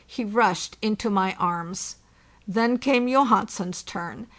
he rushed into my arms. Then came Johansen's turn.